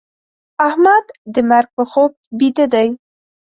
احمد د مرګ په خوب بيده دی.